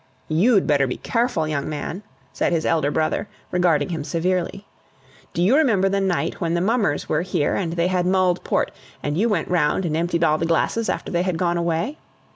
"You'd better be careful, young man!" said his elder brother, regarding him severely. "D' you remember that night when the Mummers were here, and they had mulled port, and you went round and emptied all the glasses after they had gone away?"